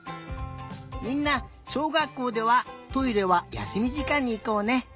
みんなしょうがっこうではトイレはやすみじかんにいこうね。